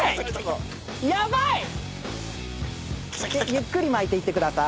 ゆっくり巻いてください。